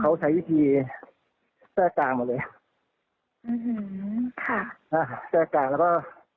เขาใช้วิธีแทรกกลางหมดเลยอื้อหือค่ะอ่าแทรกกลางแล้วก็